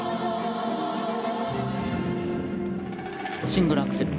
シングルアクセル。